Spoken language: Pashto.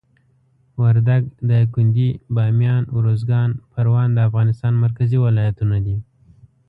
وردګ، دایکندي، بامیان، اروزګان، پروان د افغانستان مرکزي ولایتونه دي.